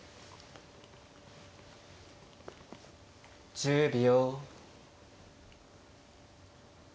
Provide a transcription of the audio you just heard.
１０秒。